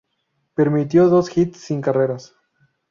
Permitió dos hits sin carreras.